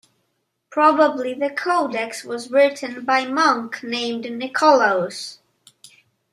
Probably the codex was written by monk named Nicolaus.